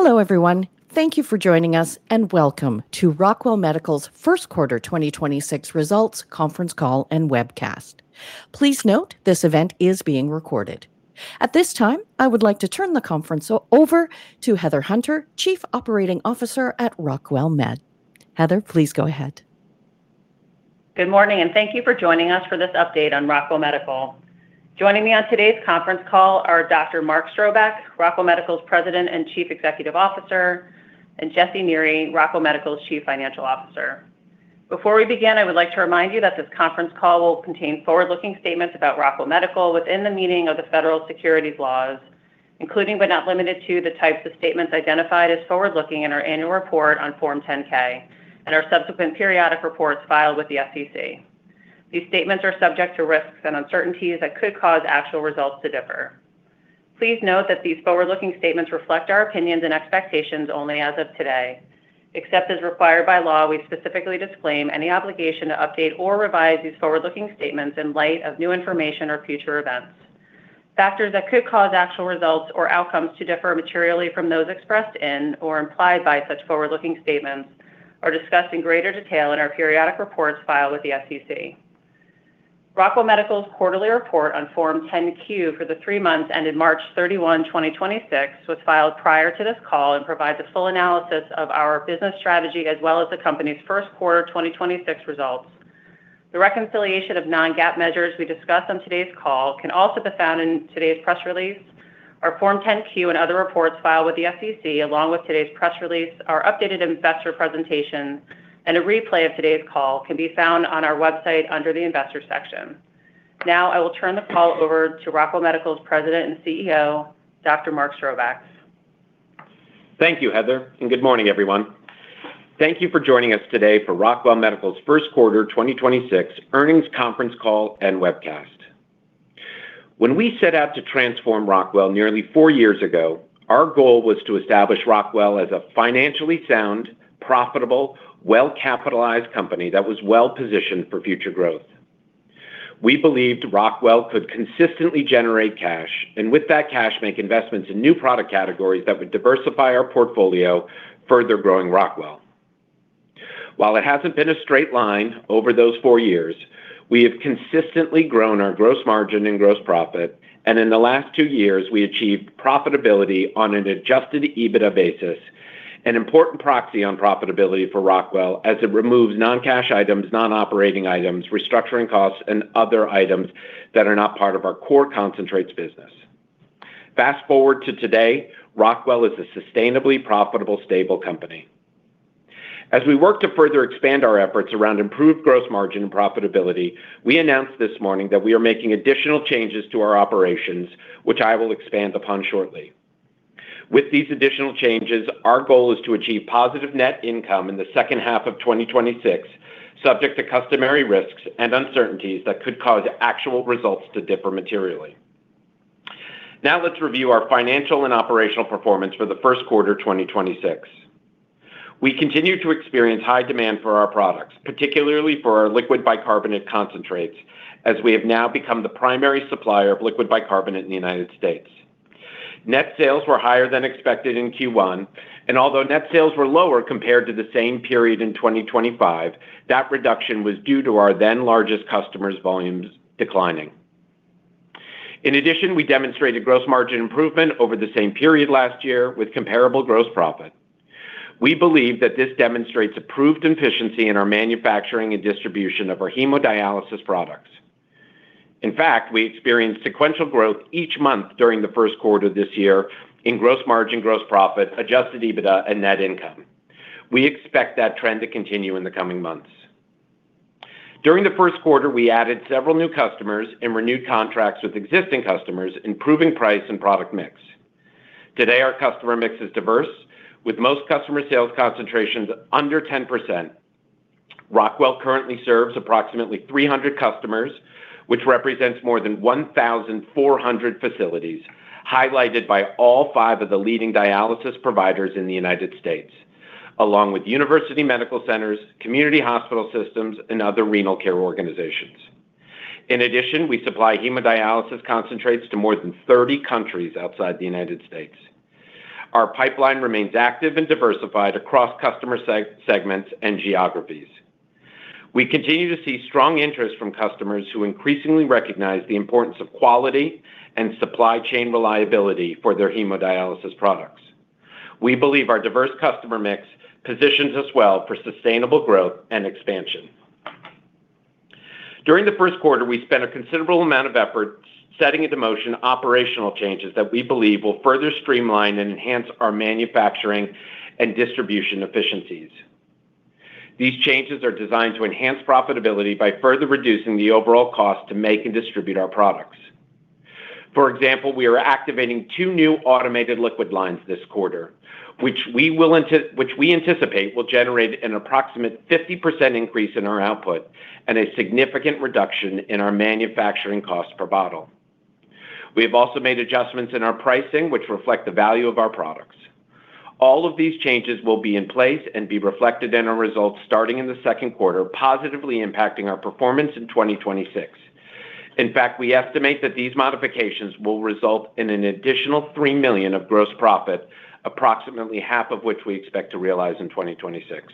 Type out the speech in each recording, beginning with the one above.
Hello, everyone. Thank you for joining us, and welcome to Rockwell Medical's first quarter 2026 results conference call and webcast. Please note, this event is being recorded. At this time, I would like to turn the conference over to Heather Hunter, Chief Operating Officer at Rockwell Med. Heather, please go ahead. Good morning. Thank you for joining us for this update on Rockwell Medical. Joining me on today's conference call are Dr. Mark Strobeck, Rockwell Medical's President and Chief Executive Officer, and Jesse Neri, Rockwell Medical's Chief Financial Officer. Before we begin, I would like to remind you that this conference call will contain forward-looking statements about Rockwell Medical within the meaning of the federal securities laws, including but not limited to the types of statements identified as forward-looking in our annual report on Form 10-K and our subsequent periodic reports filed with the SEC. These statements are subject to risks and uncertainties that could cause actual results to differ. Please note that these forward-looking statements reflect our opinions and expectations only as of today. Except as required by law, we specifically disclaim any obligation to update or revise these forward-looking statements in light of new information or future events. Factors that could cause actual results or outcomes to differ materially from those expressed in or implied by such forward-looking statements are discussed in greater detail in our periodic reports filed with the SEC. Rockwell Medical's quarterly report on Form 10-Q for the three months ended March 31, 2026 was filed prior to this call and provides a full analysis of our business strategy as well as the company's first quarter 2026 results. The reconciliation of non-GAAP measures we discuss on today's call can also be found in today's press release. Our Form 10-Q and other reports filed with the SEC, along with today's press release, our updated investor presentation, and a replay of today's call can be found on our website under the investor section. I will turn the call over to Rockwell Medical's President and CEO, Dr. Mark Strobeck. Thank you, Heather, and good morning, everyone. Thank you for joining us today for Rockwell Medical's first quarter 2026 earnings conference call and webcast. When we set out to transform Rockwell nearly four years ago, our goal was to establish Rockwell as a financially sound, profitable, well-capitalized company that was well-positioned for future growth. We believed Rockwell could consistently generate cash and, with that cash, make investments in new product categories that would diversify our portfolio, further growing Rockwell. While it hasn't been a straight line over those four years, we have consistently grown our gross margin and gross profit, and in the last two years, we achieved profitability on an adjusted EBITDA basis, an important proxy on profitability for Rockwell as it removes non-cash items, non-operating items, restructuring costs, and other items that are not part of our core concentrates business. Fast-forward to today, Rockwell is a sustainably profitable, stable company. As we work to further expand our efforts around improved gross margin and profitability, we announced this morning that we are making additional changes to our operations, which I will expand upon shortly. With these additional changes, our goal is to achieve positive net income in the second half of 2026, subject to customary risks and uncertainties that could cause actual results to differ materially. Now let's review our financial and operational performance for the first quarter 2026. We continue to experience high demand for our products, particularly for our liquid bicarbonate concentrates, as we have now become the primary supplier of liquid bicarbonate in the United States. Net sales were higher than expected in Q1. Although net sales were lower compared to the same period in 2025, that reduction was due to our then largest customer's volumes declining. In addition, we demonstrated gross margin improvement over the same period last year with comparable gross profit. We believe that this demonstrates improved efficiency in our manufacturing and distribution of our hemodialysis products. In fact, we experienced sequential growth each month during the first quarter this year in gross margin, gross profit, adjusted EBITDA, and net income. We expect that trend to continue in the coming months. During the first quarter, we added several new customers and renewed contracts with existing customers, improving price and product mix. Today, our customer mix is diverse, with most customer sales concentrations under 10%. Rockwell currently serves approximately 300 customers, which represents more than 1,400 facilities, highlighted by all five of the leading dialysis providers in the U.S., along with university medical centers, community hospital systems, and other renal care organizations. In addition, we supply hemodialysis concentrates to more than 30 countries outside the U.S. Our pipeline remains active and diversified across customer segments and geographies. We continue to see strong interest from customers who increasingly recognize the importance of quality and supply chain reliability for their hemodialysis products. We believe our diverse customer mix positions us well for sustainable growth and expansion. During the first quarter, we spent a considerable amount of effort setting into motion operational changes that we believe will further streamline and enhance our manufacturing and distribution efficiencies. These changes are designed to enhance profitability by further reducing the overall cost to make and distribute our products. For example, we are activating two new automated liquid lines this quarter, which we anticipate will generate an approximate 50% increase in our output and a significant reduction in our manufacturing cost per bottle. We have also made adjustments in our pricing, which reflect the value of our products. All of these changes will be in place and be reflected in our results starting in the second quarter, positively impacting our performance in 2026. In fact, we estimate that these modifications will result in an additional $3 million of gross profit, approximately half of which we expect to realize in 2026.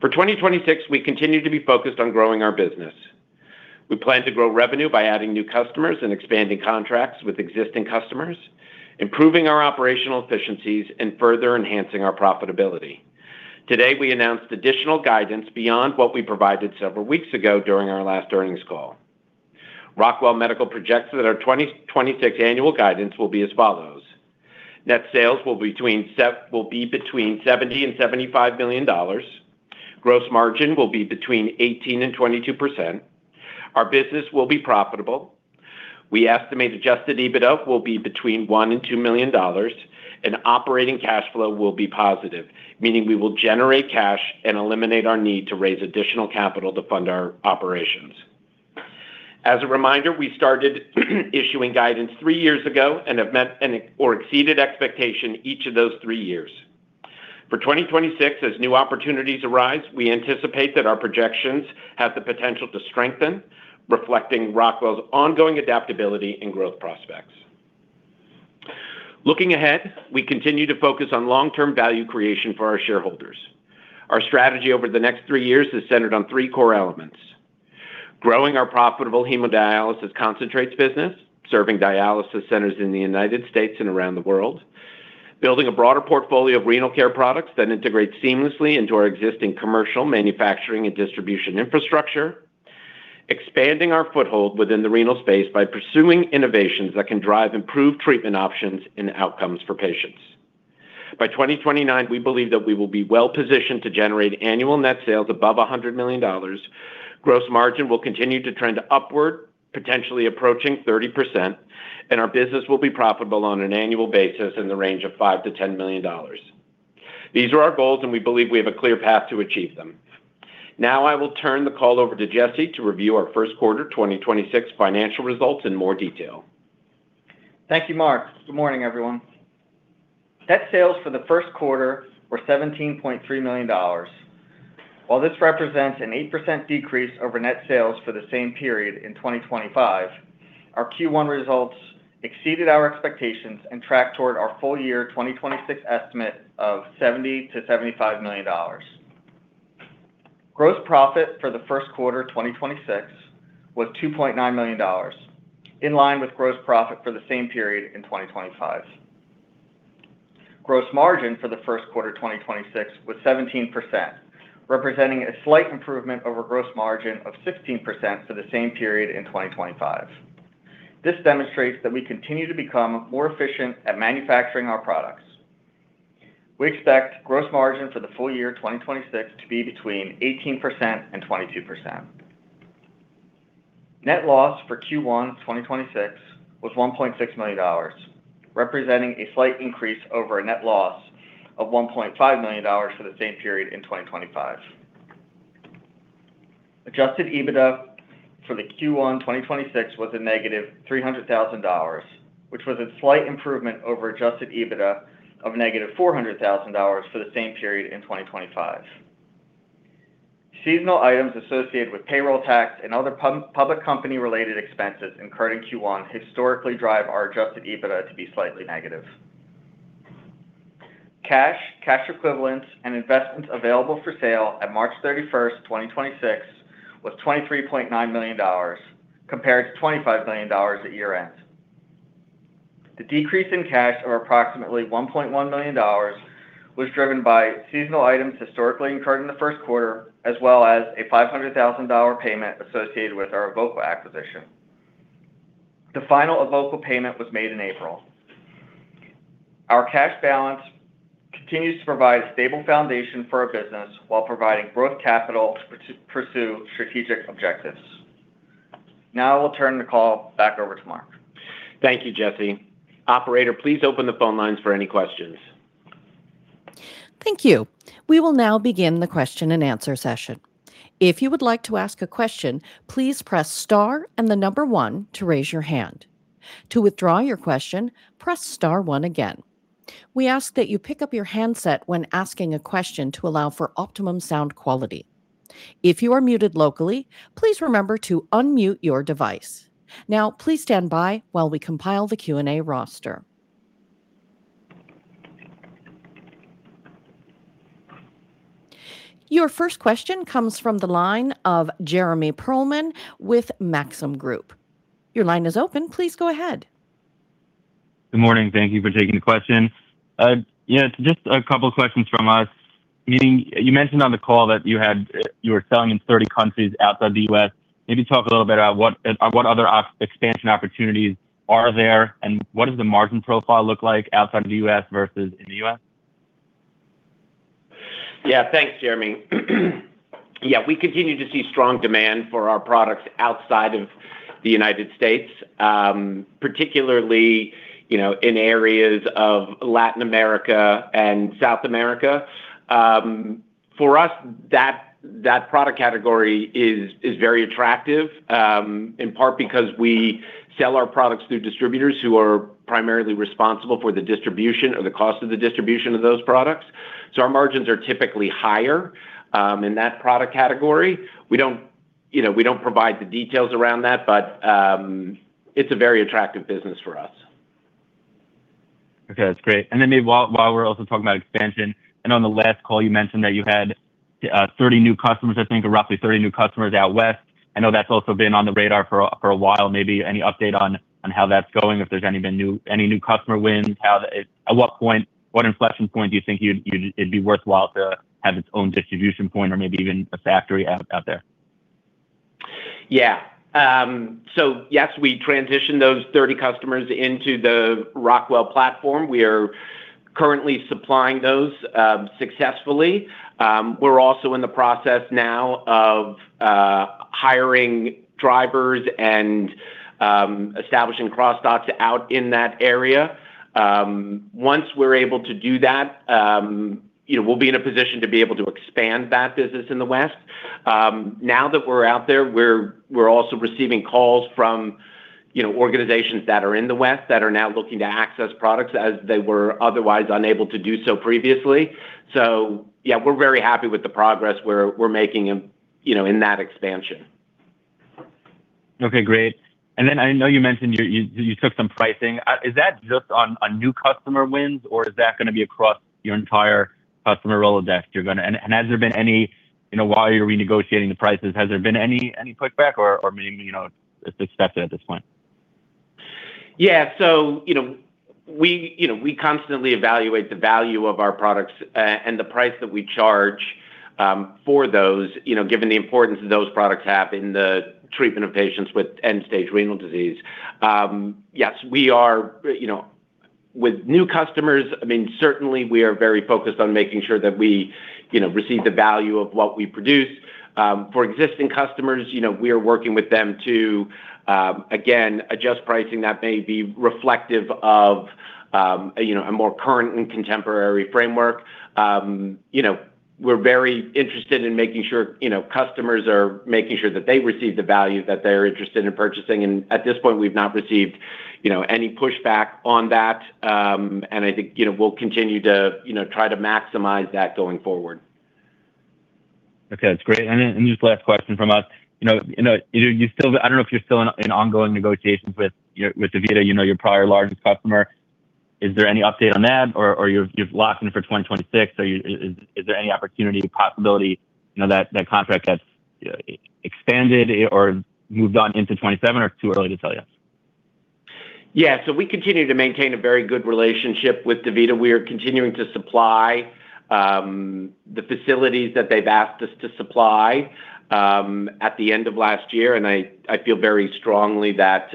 For 2026, we continue to be focused on growing our business. We plan to grow revenue by adding new customers and expanding contracts with existing customers, improving our operational efficiencies, and further enhancing our profitability. Today, we announced additional guidance beyond what we provided several weeks ago during our last earnings call. Rockwell Medical projects that our 2026 annual guidance will be as follows. Net sales will be between $70 million and $75 million. Gross margin will be between 18% and 22%. Our business will be profitable. We estimate adjusted EBITDA will be between $1 million and $2 million, and operating cash flow will be positive, meaning we will generate cash and eliminate our need to raise additional capital to fund our operations. As a reminder, we started issuing guidance three years ago and have met or exceeded expectation each of those three years. For 2026, as new opportunities arise, we anticipate that our projections have the potential to strengthen, reflecting Rockwell's ongoing adaptability and growth prospects. Looking ahead, we continue to focus on long-term value creation for our shareholders. Our strategy over the next three years is centered on three core elements: growing our profitable hemodialysis concentrates business, serving dialysis centers in the U.S. and around the world, building a broader portfolio of renal care products that integrate seamlessly into our existing commercial manufacturing and distribution infrastructure, expanding our foothold within the renal space by pursuing innovations that can drive improved treatment options and outcomes for patients. By 2029, we believe that we will be well-positioned to generate annual net sales above $100 million. Gross margin will continue to trend upward, potentially approaching 30%, and our business will be profitable on an annual basis in the range of $5 million-$10 million. These are our goals, and we believe we have a clear path to achieve them. Now I will turn the call over to Jesse to review our first quarter 2026 financial results in more detail. Thank you, Mark. Good morning, everyone. Net sales for the first quarter were $17.3 million. While this represents an 8% decrease over net sales for the same period in 2025, our Q1 results exceeded our expectations and track toward our full year 2026 estimate of $70 million-$75 million. Gross profit for the first quarter, 2026 was $2.9 million, in line with gross profit for the same period in 2025. Gross margin for the first quarter, 2026 was 17%, representing a slight improvement over gross margin of 16% for the same period in 2025. This demonstrates that we continue to become more efficient at manufacturing our products. We expect gross margin for the full year 2026 to be between 18% and 22%. Net loss for Q1 2026 was $1.6 million, representing a slight increase over a net loss of $1.5 million for the same period in 2025. Adjusted EBITDA for the Q1 2026 was a negative $300,000, which was a slight improvement over adjusted EBITDA of negative $400,000 for the same period in 2025. Seasonal items associated with payroll tax and other public company-related expenses incurred in Q1 historically drive our adjusted EBITDA to be slightly negative. Cash, cash equivalents, and investments available for sale at March 31, 2026 was $23.9 million, compared to $25 million at year-end. The decrease in cash of approximately $1.1 million was driven by seasonal items historically incurred in the first quarter, as well as a $500,000 payment associated with our Evoqua acquisition. The final Evoqua payment was made in April. Our cash balance continues to provide a stable foundation for our business while providing growth capital to pursue strategic objectives. Now I will turn the call back over to Mark. Thank you, Jesse. Operator, please open the phone lines for any questions. Thank you. We will now begin the question-and-answer session. If you would like to ask a question, please press star and the number one to raise your hand. To withdraw your question, press star one again. We ask that you pick up your handset when asking a question to allow for optimum sound quality. If you are muted locally, please remember to unmute your device. Now, please stand by while we compile the Q&A roster. Your first question comes from the line of Jeremy Pearlman with Maxim Group. Your line is open. Please go ahead. Good morning. Thank you for taking the question. Yeah, just a couple questions from us. You mentioned on the call that you had, you were selling in 30 countries outside the U.S. Maybe talk a little bit about what other ex-expansion opportunities are there, and what does the margin profile look like outside of the U.S. versus in the U.S.? Thanks, Jeremy. We continue to see strong demand for our products outside of the U.S., particularly, you know, in areas of Latin America and South America. For us, that product category is very attractive, in part because we sell our products through distributors who are primarily responsible for the distribution or the cost of the distribution of those products. Our margins are typically higher in that product category. We don't, you know, we don't provide the details around that. It's a very attractive business for us. Okay. That's great. Maybe while we're also talking about expansion, on the last call you mentioned that you had 30 new customers, I think, or roughly 30 new customers out west. I know that's also been on the radar for a while maybe. Any update on how that's going, if there's any new customer wins? What point, what inflection point do you think it'd be worthwhile to have its own distribution point or maybe even a factory out there? Yes, we transitioned those 30 customers into the Rockwell platform. We are currently supplying those successfully. We're also in the process now of hiring drivers and establishing cross docks out in that area. Once we're able to do that, you know, we'll be in a position to be able to expand that business in the West. Now that we're out there, we're also receiving calls from, you know, organizations that are in the West that are now looking to access products as they were otherwise unable to do so previously. Yeah, we're very happy with the progress we're making, you know, in that expansion. Okay. Great. I know you mentioned you took some pricing. Is that just on new customer wins or is that gonna be across your entire customer Rolodex? Has there been any, you know, while you're renegotiating the prices, has there been any pushback or maybe, you know, it's accepted at this point? Yeah. You know, we constantly evaluate the value of our products, and the price that we charge, for those, you know, given the importance that those products have in the treatment of patients with end-stage renal disease. Yes, we are, you know, with new customers, I mean, certainly we are very focused on making sure that we, you know, receive the value of what we produce. For existing customers, you know, we are working with them to again, adjust pricing that may be reflective of, you know, a more current and contemporary framework. You know, we're very interested in making sure, you know, customers are making sure that they receive the value that they're interested in purchasing. At this point, we've not received, you know, any pushback on that. I think, you know, we'll continue to, you know, try to maximize that going forward. Okay. That's great. Just last question from us, you know, you still I don't know if you're still in ongoing negotiations with DaVita, you know, your probably largest customer. Is there any update on that or you've locked in for 2026? Is there any opportunity, possibility, you know, that that contract gets expanded or moved on into 2027 or too early to tell yet? Yeah. We continue to maintain a very good relationship with DaVita. We are continuing to supply the facilities that they've asked us to supply at the end of last year. I feel very strongly that,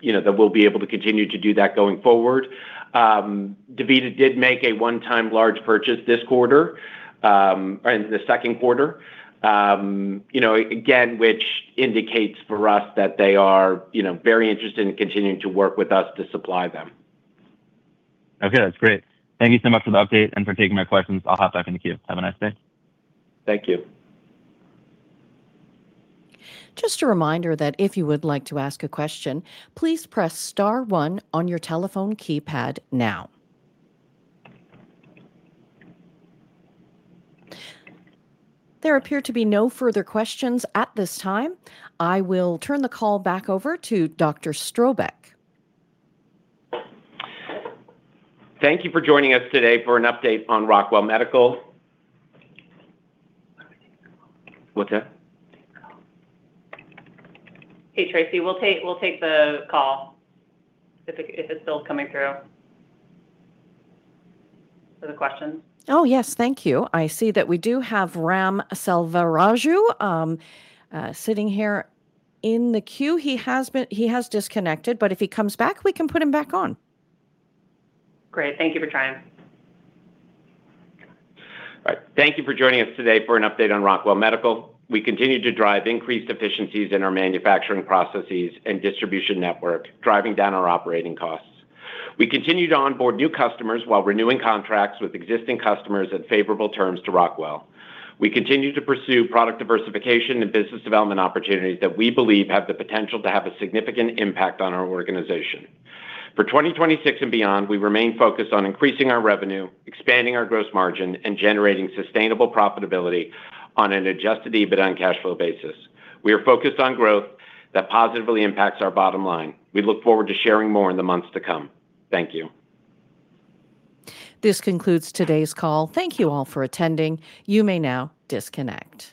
you know, that we'll be able to continue to do that going forward. DaVita did make a one-time large purchase this quarter or in the second quarter. You know, again, which indicates for us that they are, you know, very interested in continuing to work with us to supply them. Okay. That's great. Thank you so much for the update and for taking my questions. I'll hop back in the queue. Have a nice day. Thank you. Just a reminder that if you would like to ask a question, please press star one on your telephone keypad now. There appears to be no further questions at this time, I will turn the call back over to Dr. Strobeck. Thank you for joining us today for an update on Rockwell Medical. What's that? Hey, Tracy. We'll take the call if it's still coming through for the questions. Oh, yes. Thank you. I see that we do have Ram Selvaraju sitting here in the queue. He has disconnected, but if he comes back, we can put him back on. Great. Thank you for trying. All right. Thank you for joining us today for an update on Rockwell Medical. We continue to drive increased efficiencies in our manufacturing processes and distribution network, driving down our operating costs. We continue to onboard new customers while renewing contracts with existing customers at favorable terms to Rockwell. We continue to pursue product diversification and business development opportunities that we believe have the potential to have a significant impact on our organization. For 2026 and beyond, we remain focused on increasing our revenue, expanding our gross margin, and generating sustainable profitability on an adjusted EBITDA on cash flow basis. We are focused on growth that positively impacts our bottom line. We look forward to sharing more in the months to come. Thank you. This concludes today's call. Thank you all for attending. You may now disconnect.